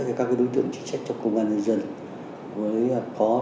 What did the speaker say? cho các đối tượng chính sách cho công an nhân dân